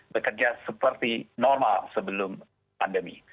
bekerja seperti normal sebelum pandemi